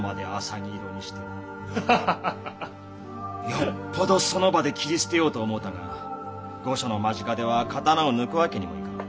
よっぽどその場で斬り捨てようと思うたが御所の間近では刀を抜くわけにもいかん。